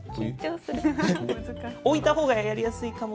置いたほうがやりやすいかも。